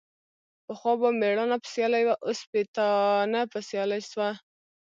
پخوا به ميړانه په سيالي وه ، اوس سپيتانه په سيالي سوه.